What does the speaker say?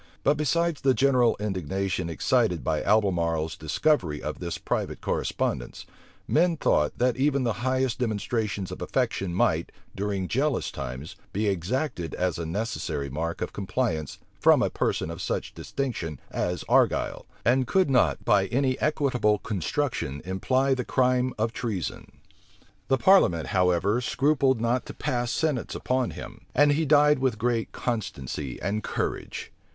But besides the general indignation excited by Albemarle's discovery of this private correspondence, men thought, that even the highest demonstrations of affection might, during jealous times, be exacted as a necessary mark of compliance from a person of such distinction as Argyle, and could not, by any equitable construction, imply the crime of treason. The parliament, however, scrupled not to pass sentence upon him; and he died with great constancy and courage.